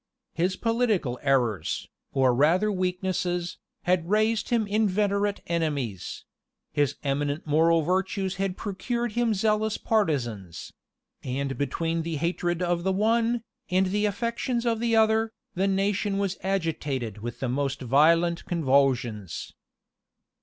His political errors, or rather weaknesses, had raised him inveterate enemies: his eminent moral virtues had procured him zealous partisans; and between the hatred of the one, and the affections of the other, was the nation agitated with the most violent convulsions.